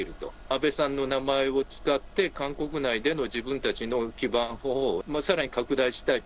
安倍さんの名前を使って、韓国内での自分たちの基盤をさらに拡大したい。